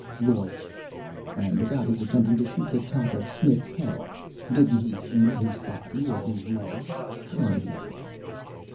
LAWYER. "And about his attempting to shoot the top of Smith's head off didn't he aim at his body, or his legs? Come now."